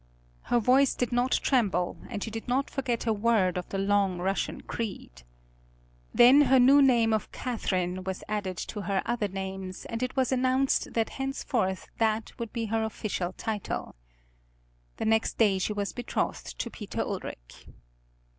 Her voice did not tremble and she did not forget a word of the long Russian creed. Then the new name of Catherine was added to her other names and it was announced that henceforth that would be her official title. The next day she was betrothed to Peter Ulric.